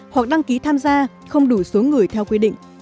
hoặc đăng ký tham gia không đủ số người theo quy định